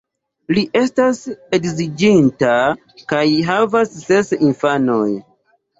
Li estas edziĝinta kaj havas ses infanojn.